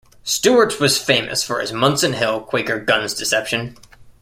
Stuart's was famous for his Munson Hill Quaker Gun's deception.